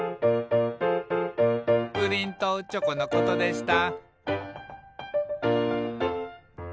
「プリンとチョコのことでした」